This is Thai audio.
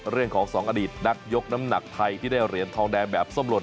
เรื่องของ๒อดีตนักยกน้ำหนักไทยที่ได้เหรียญทองแดงแบบส้มหล่น